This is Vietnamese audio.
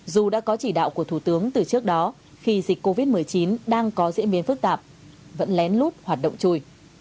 dù đã có chỉ đạo của thủ tướng từ trước đó khi dịch covid một mươi chín đang có diễn biến phức tạp vẫn lén lút hoạt động chui